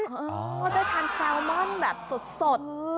ต้องไปการแซลมอนแบบสด